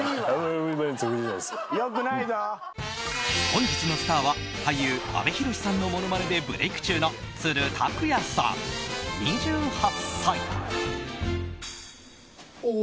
本日のスターは俳優・阿部寛さんのものまねでブレーク中の都留拓也さん、２８歳。